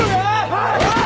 おい！